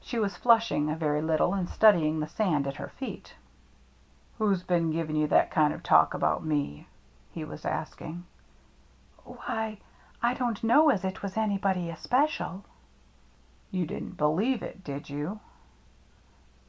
She was flushing a very little and studying the sand at her feet. " Who's been giving you that kind o* talk about me ?" he was asking. " Why — I don't know as it was anybody especial." " You didn't believe it, did you